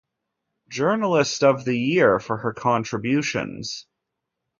Journalist of the Year for her contributions.